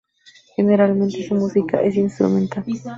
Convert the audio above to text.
Generalmente su música es instrumental.